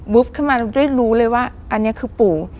ขึ้นมาได้รู้เลยว่าอันนี้คือปู่